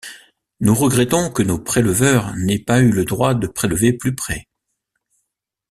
Nous regrettons que nos préleveurs n'aient pas eu le droit de prélever plus près.